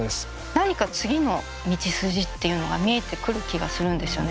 何か次の道筋っていうのが見えてくる気がするんですよね。